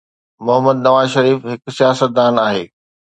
محمد نواز شريف هڪ سياستدان آهي.